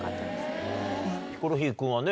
ヒコロヒー君はね